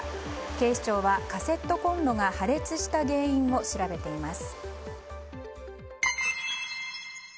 警視庁はカセットコンロが破裂した原因を調べています。